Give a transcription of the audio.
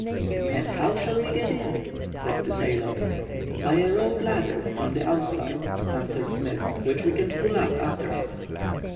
"And how shall we get in?" said the sailor. "By a rope ladder from the outside," answered Smith, "which we can pull up after us."